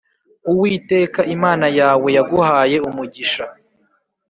Uwiteka Imana yawe yaguhaye umugisha